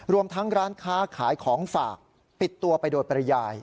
รวมทั้งร้านค้าขายของฝากปิดตัวไปโดยปริยาย